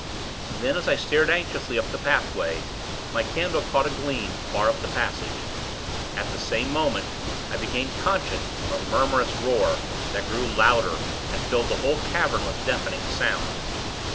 Then, as I stared anxiously up the pathway, my candle caught a gleam, far up the passage. At the same moment, I became conscious of a murmurous roar, that grew louder, and filled the whole cavern with deafening sound.